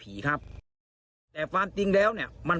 พี่ทีมข่าวของที่รักของ